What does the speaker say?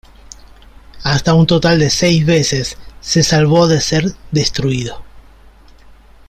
Hasta un total de seis veces se salvó de ser destruido.